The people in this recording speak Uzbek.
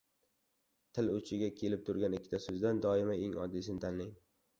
Til uchiga kelib turgan ikkita so‘zdan doimo eng oddiysini tanlang.